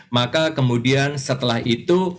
maka kemudian setelah itu